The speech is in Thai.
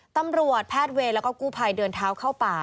แพทย์เวรแล้วก็กู้ภัยเดินเท้าเข้าป่า